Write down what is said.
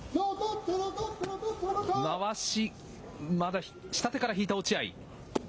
まわし、まだ下手から引いた落合。